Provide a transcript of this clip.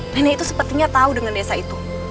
nenek itu sepertinya tahu dengan desa itu